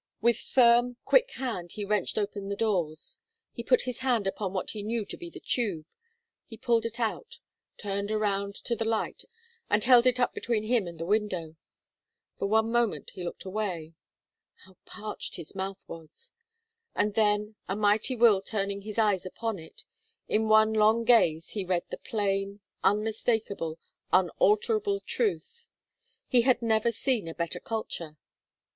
With firm, quick hand he wrenched open the doors. He put his hand upon what he knew to be the tube. He pulled it out, turned around to the light and held it up between him and the window. For one moment he looked away; how parched his mouth was! And then, a mighty will turning his eyes upon it, in one long gaze he read the plain, unmistakable, unalterable truth. He had never seen a better culture.